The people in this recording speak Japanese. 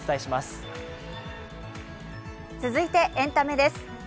続いてエンタメです。